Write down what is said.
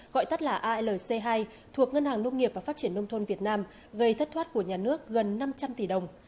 gọi tắt là alc hai thuộc ngân hàng nông nghiệp và phát triển nông thôn việt nam gây thất thoát của nhà nước gần năm trăm linh tỷ đồng